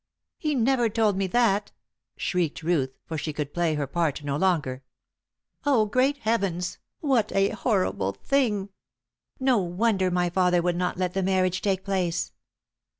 "He never told me that!" shrieked Ruth, for she could play her part no longer. "Oh, great Heavens, what a horrible thing! No wonder my father would not let the marriage take place."